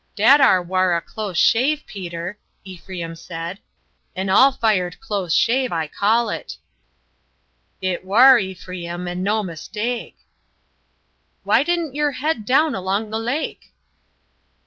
"That ar war a close shave, Peter," Ephraim said; "an all fired close shave I call it." "It war, Ephraim, and no mistake." "Why didn't yer head down along the lake?"